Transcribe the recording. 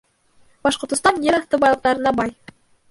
Башкортостан ер аҫты байлыҡтарына бай